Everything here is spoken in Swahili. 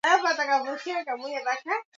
Pakupata kazi siku iyi paka uwe na wako ku mbele